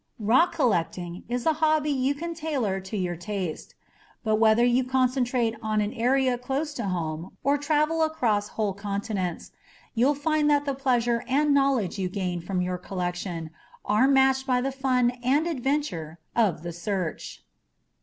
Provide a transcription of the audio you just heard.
Rock collecting is a hobby you can tailor to your taste. But whether you concentrate on an area close to home or travel across whole continents, you'll find that the pleasure and knowledge you gain from your collection are matched by the fun and adventure of the search.